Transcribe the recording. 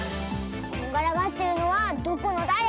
こんがらがってるのはどこのだれ？